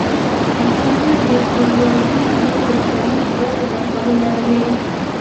برېټانیا د کولالي لوښو د تولید ګڼې کارخانې لرلې